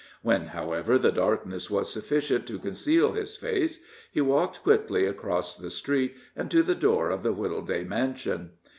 When, however, the darkness was sufficient to conceal his face, he walked quickly across the street, and to the door of the Wittleday mansion.